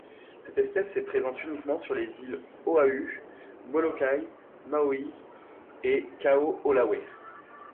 Cette espèce est présente uniquement sur les îles Oʻahu, Molokaʻi, Maui et Kahoʻolawe.